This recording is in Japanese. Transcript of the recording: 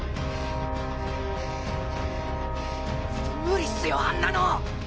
無理っすよあんなの。